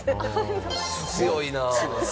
強いな。